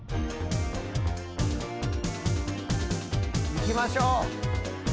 いきましょう。